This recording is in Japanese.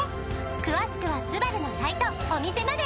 詳しくはスバルのサイトお店まで！